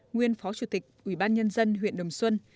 nguyên phó chủ tịch ủy ban nhân dân huyện đồng xuân